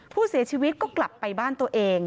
ผู้เสียชีวิตก็กลับไปบ้านตัวเอง